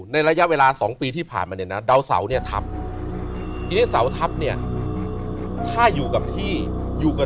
ในระยะเวลา๒ปีที่ผ่านมาเนี่ยนะ